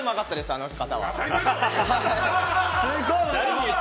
あの方は。